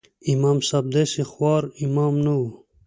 امام صاحب داسې خوار امام نه و.